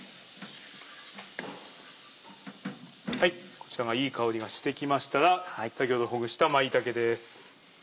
こちらがいい香りがしてきましたら先ほどほぐした舞茸です。